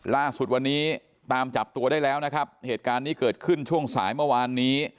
ล่าสุดวันนี้ตามจับตัวได้แล้วนะครับเหตุการณ์นี้เกิดขึ้นช่วงสายเมื่อวานนี้